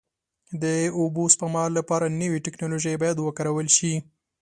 د اوبو سپما لپاره نوې ټکنالوژۍ باید وکارول شي.